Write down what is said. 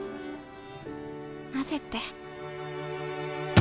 なぜって。